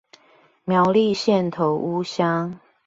苗栗縣頭屋鄉